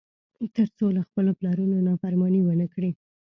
تر څو له خپلو پلرونو نافرماني ونه کړي.